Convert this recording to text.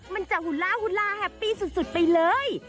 มันจะหุล่าหุลาแฮปปี้สุดไปเลย